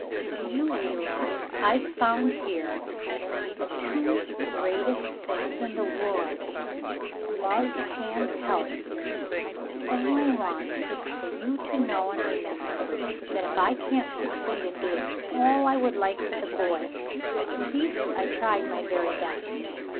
"Do you realize I've found here the two greatest things in the world, love and health ? All I want is for you to know and remember that if I can't succeed in doing all I would like for the boy, at least I tried my very best.